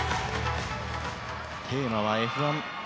テーマはＦ１。